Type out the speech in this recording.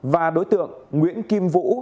và đối tượng nguyễn kim vũ